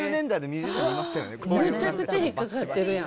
めちゃくちゃ引っ掛かってるやん。